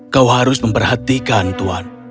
kau harus memperhatikan tuhan